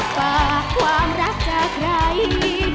คุณรักษาความรักจะใคร